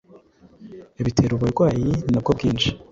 bitera uburwayi na bwo bwinshi